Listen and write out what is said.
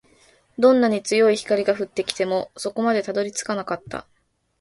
どんなに強い光が降ってきても、底までたどり着かなかった